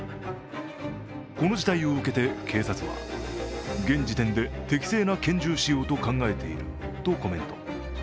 この事態を受けて、警察は現時点で適正な拳銃使用と考えているとコメント。